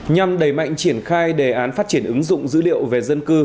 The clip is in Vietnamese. nhằm đẩy mạnh triển khai đề án phát triển ứng dụng dữ liệu về dân cư